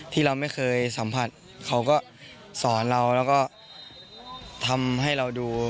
ที่เราไม่เคยสัมผัสเขาก็สอนเราแล้วก็ทำให้เราดู